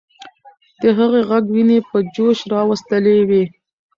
د هغې ږغ ويني په جوش راوستلې وې.